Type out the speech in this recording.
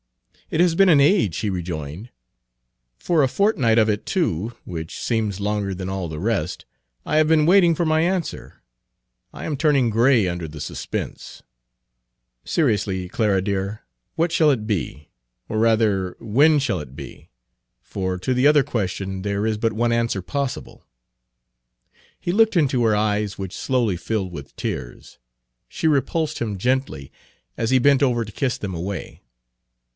"It has been an age," he rejoined. "For a fortnight of it, too, which seems longer than all the rest, I have been waiting for my answer. I am turning gray under the suspense. Page 28 Seriously, Clara dear, what shall it be? Or rather, when shall it be? for to the other question there is but one answer possible." He looked into her eyes, which slowly filled with tears. She repulsed him gently as he bent over to kiss them away.